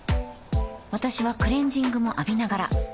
私はクレジングも浴びながら